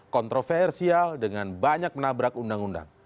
kontroversial dengan banyak menabrak undang undang